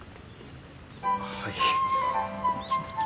はい。